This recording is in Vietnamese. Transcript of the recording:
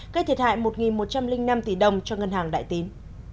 gây thiệt hại một một trăm linh năm tỷ đồng cho ngân hàng đại tín